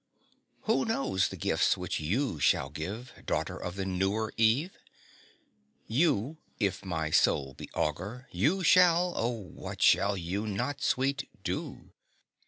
Who knows the gifts which you shall give, Daughter of the newer Eve? You, if my soul be augur, you Shall O what shall you not, Sweet, do?